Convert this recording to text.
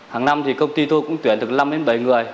hàng năm thì công ty tôi cũng tuyển được năm đến bảy người